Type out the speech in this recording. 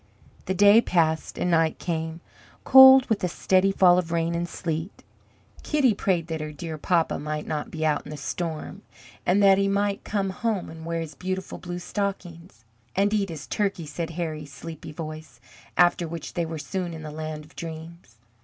The day passed and night came, cold with a steady fall of rain and sleet. Kitty prayed that her "dear papa might not be out in the storm, and that he might come home and wear his beautiful blue stockings"; "And eat his turkey," said Harry's sleepy voice; after which they were soon in the land of dreams.